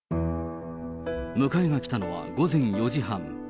迎えが来たのは午前４時半。